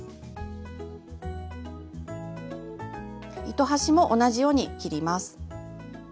糸端も同じように切ります。